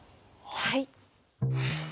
はい。